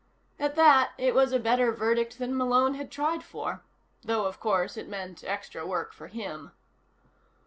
At that, it was a better verdict than Malone had tried for. Though, of course, it meant extra work for him.